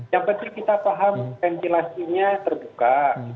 yang penting kita paham ventilasinya terbuka